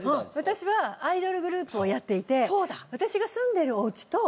私はアイドルグループをやっていて。